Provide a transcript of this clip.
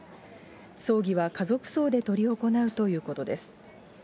葬儀は家族葬で執り行うということです。